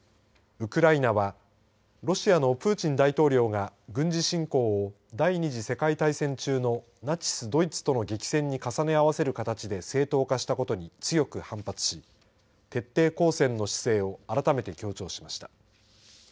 ウクライナはロシアのプーチン大統領が軍事侵攻を第２次世界大戦中のナチス・ドイツとの激戦に重ね合わせる形で正当化したことに強く反発し徹底抗戦の姿勢を改めて強調しました。